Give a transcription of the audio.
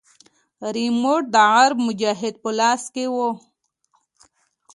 ريموټ د عرب مجاهد په لاس کښې و.